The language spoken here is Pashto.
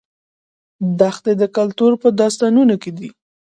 دښتې د کلتور په داستانونو کې دي.